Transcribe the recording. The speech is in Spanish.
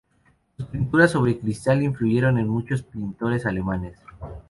Sus pinturas sobre cristal influyeron en muchos pintores alemanes.